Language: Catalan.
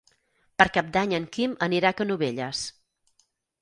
Per Cap d'Any en Quim anirà a Canovelles.